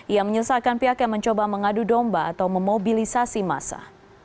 ia menyesalkan pihak yang mencoba mengadu domba atau memobilisasi masa